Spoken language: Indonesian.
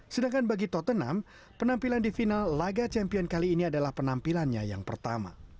sedangkan bagi tottenham penampilan di final laga champion kali ini adalah penampilannya yang pertama